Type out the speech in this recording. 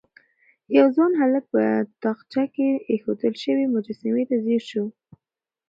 يو ځوان هلک په تاقچه کې ايښودل شوې مجسمې ته ځير شو.